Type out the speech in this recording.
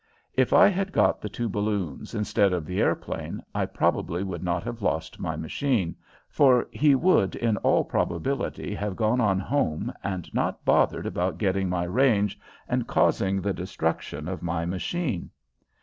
If I had got the two balloons instead of the airplane, I probably would not have lost my machine, for he would in all probability have gone on home and not bothered about getting my range and causing the destruction of my machine.